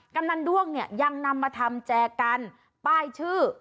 กำนันด้วงเนี่ยยังนำมาทำแจกันป้ายชื่อ